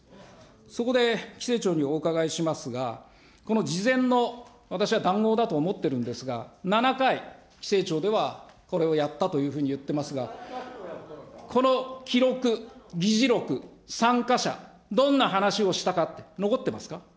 そこで規制庁にお伺いしますが、この事前の私は談合だと思ってるんですが、７回、規制庁ではこれをやったというふうに言ってますが、この記録、議事録、参加者、どんな話をしたかって、残ってますか。